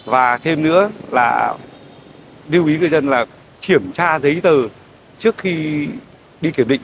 và thêm nữa là lưu ý người dân là kiểm tra giấy tờ trước khi đi kiểm định